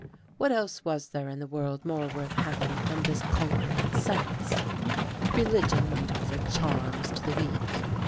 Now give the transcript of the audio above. What else was there in the world more worth having than this conquering sense? Religion might offer charms to the weak.